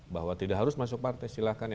bahwa tidak harus masuk partai silahkan